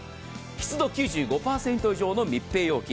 湿度９５％以上の密閉容器